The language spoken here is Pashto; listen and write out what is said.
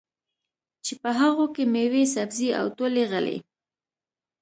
چې په هغو کې مېوې، سبزۍ او ټولې غلې